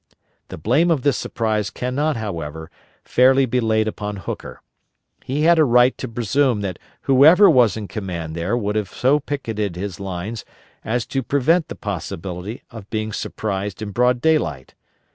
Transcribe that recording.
The blame of this surprise can not, however, fairly be laid upon Hooker. He had a right to presume that whoever was in command there would have so picketed his lines as to prevent the possibility of being surprised in broad daylight.